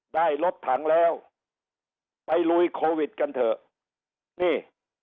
ได้รถถังแล้วไปลุยโควิดกันเถอะนี่